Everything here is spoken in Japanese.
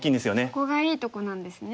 そこがいいとこなんですね。